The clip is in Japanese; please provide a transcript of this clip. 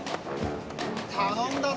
頼んだぞ！